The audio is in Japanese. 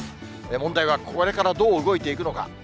問題はこれからどう動いていくのか。